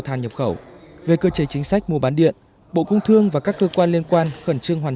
than nhập khẩu về cơ chế chính sách mua bán điện bộ công thương và các cơ quan liên quan khẩn trương hoàn